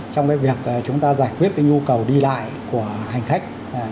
trong việc chúng ta giải quyết nhu cầu đi lại của hành khách